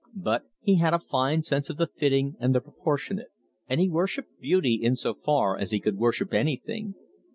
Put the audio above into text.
But he had a fine sense of the fitting and the proportionate, and he worshipped beauty in so far as he could worship anything.